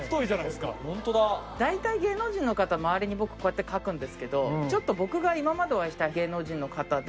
大体芸能人の方周りに僕こうやって描くんですけどちょっと僕が今までお会いした芸能人の方で。